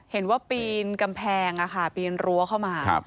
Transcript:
เห็นว่าปีนกำแพงปีนรั้วเข้ามา